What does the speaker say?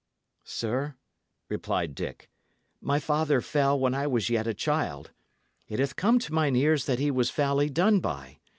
"Sir," replied Dick, "my father fell when I was yet a child. It hath come to mine ears that he was foully done by.